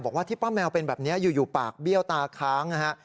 บอกว่าที่ป้าแมวเป็นแบบนี้อยู่ปากเบี้ยวตาค้างนะฮะ